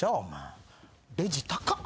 レジ高っ！